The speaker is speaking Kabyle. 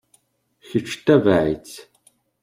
Kečč ttabaɛ-itt.